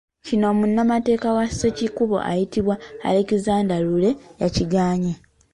Kino munnamateeka wa Ssekikubo, ayitibwa Alexander Lure, yakigaanye.